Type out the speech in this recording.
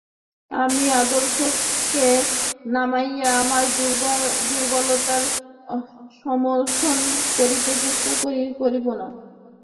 আমি আদর্শকে নামাইয়া আমার দুর্বলতার সমর্থন করিতে চেষ্টা করিব না।